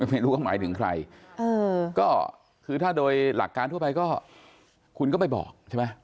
ไม่รู้ก็หมายถึงใครก็คือถ้าโดยหลักการทั่วไปก็คุณก็ไม่บอกใช่ไหม